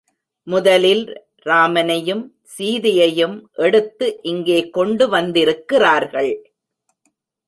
முதலில் ராமனையும் சீதையையும் எடுத்து இங்கே கொண்டு வந்திருக்கிறார்கள்.